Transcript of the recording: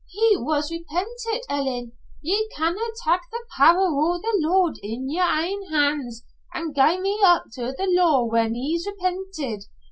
"He was repentit, Ellen. Ye can na' tak the power o' the Lord in yer ain han's an' gie a man up to the law whan he's repentit.